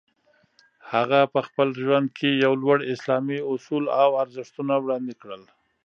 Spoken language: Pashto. هغه په خپل ژوند کې یو لوړ اسلامي اصول او ارزښتونه وړاندې کړل.